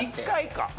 １回か。